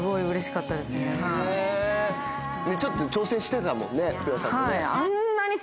ちょっと挑戦してたもんね福田さんも。